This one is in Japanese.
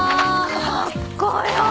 かっこよ。